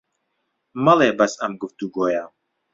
مەڵێ بەس ئەم گوفتوگۆیە